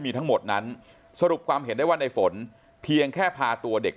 มีทั้งหมดนั้นสรุปความเห็นได้ว่าในฝนเพียงแค่พาตัวเด็ก